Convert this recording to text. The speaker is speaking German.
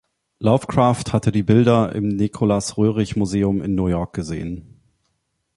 Lovecraft hatte die Bilder im Nicholas-Roerich-Museum in New York gesehen.